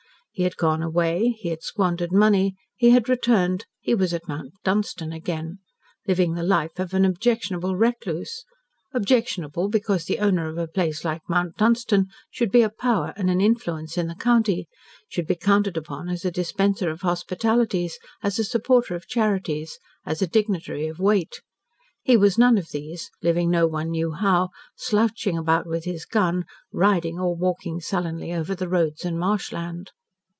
He had gone away, he had squandered money, he had returned, he was at Mount Dunstan again, living the life of an objectionable recluse objectionable, because the owner of a place like Mount Dunstan should be a power and an influence in the county, should be counted upon as a dispenser of hospitalities, as a supporter of charities, as a dignitary of weight. He was none of these living no one knew how, slouching about with his gun, riding or walking sullenly over the roads and marshland.